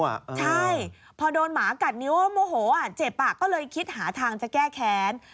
ใช่พอโดนหมากัดนิ้วโมโหเจ็บก็เลยคิดหาทางจะแก้แค้น